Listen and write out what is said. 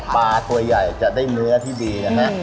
ปลาตัวยใหญ่จะได้เนื้อที่ดีนะคะอือ